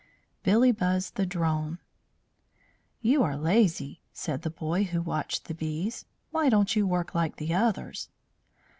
BILLYBUZZ THE DRONE "You are lazy," said the boy who watched the bees. "Why don't you work like the others?"